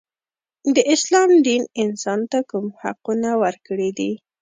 د اسلام دین انسان ته کوم حقونه ورکړي دي.